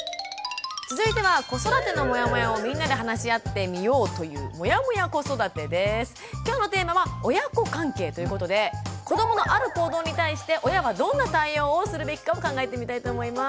続いては子育てのモヤモヤをみんなで話し合ってみようという今日のテーマは「親子関係」ということで子どものある行動に対して親はどんな対応をするべきかを考えてみたいと思います。